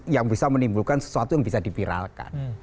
yang bisa menimbulkan sesuatu yang bisa dipiralkan